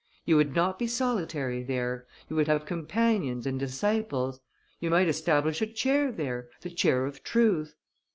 You would not be solitary there; you would have companions and disciples; you might establish a chair there, the chair of truth.